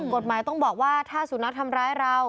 กฎหมายต้องบอกว่าถ้าสุนัขทำร้ายเรา